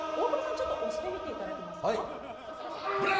ちょっと押してみていただけますか。